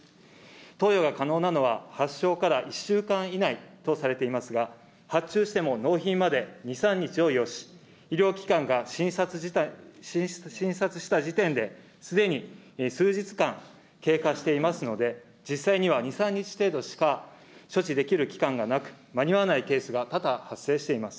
投与が可能なのは発症から１週間以内とされていますが、発注しても納品まで２、３日を要し、医療機関が診察した時点で、すでに数日間経過していますので、実際には、２、３日程度しか処置できる期間がなく、間に合わないケースが多々発生しています。